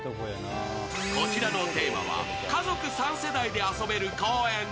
こちらのテーマは家族３世代で遊べる公園。